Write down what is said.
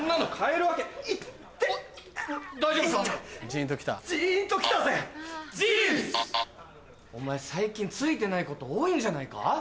・ジンと来た？お前最近ツイてないこと多いんじゃないか？